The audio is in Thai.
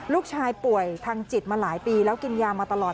ลูกชายป่วยทางจิตมาหลายปีแล้วกินยามาตลอด